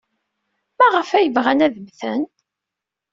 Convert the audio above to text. Maɣef ay bɣan ad mmten?